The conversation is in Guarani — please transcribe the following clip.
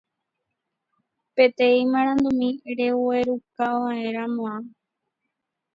peteĩ marandumi reguerukava'erãmo'ã